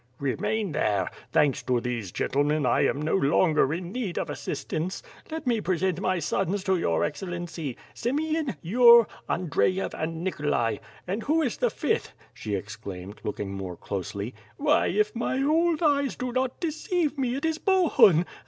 "Remain there! Thanks to these gentlemen, I am no longer in need of assistance. Let me present my sons to your Excellency — Simeon, Yur, Andrejey, and Nikolay — and who is the fifth," she exclaimed, looking more closely. "Why! if my old eyes do not deceive me, it is Bohun.